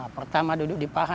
pertama duduk di paha